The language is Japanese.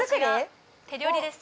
手料理です。